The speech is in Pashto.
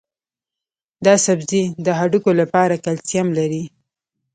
دا سبزی د هډوکو لپاره کلسیم لري.